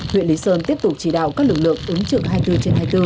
huyện lý sơn tiếp tục chỉ đạo các lực lượng ứng trực hai mươi bốn trên hai mươi bốn